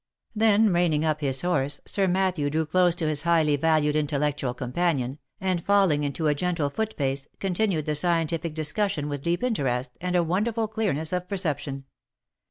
Then reining up his horse, Sir Matthew drew close to his highly valued intellectual companion, and falling into a gentle foot pace, continued the scientific discussion with deep interest, and a wonderful clearness of perception.